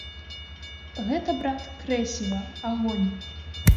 Гэта, брат, крэсіва, агонь!